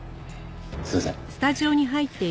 すいません。